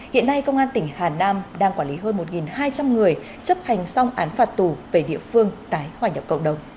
hiện nay công an tỉnh hà nam đang quản lý hơn một hai trăm linh người chấp hành xong án phạt tù về địa phương tái hoài nhập cộng đồng